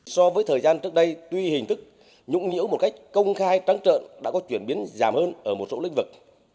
so với thời gian trước đây tuy hình thức nhũng nhũ một cách công khai trắng trợn đã có chuyển biến giảm hơn ở một số lĩnh vực